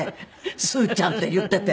すーちゃんって言っていて。